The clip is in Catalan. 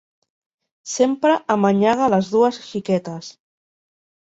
Sempre amanyaga les dues xiquetes.